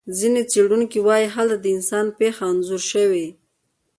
ځینې څېړونکي وایي هلته د انسان پېښه انځور شوې.